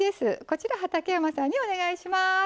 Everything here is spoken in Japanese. こちら畠山さんにお願いします。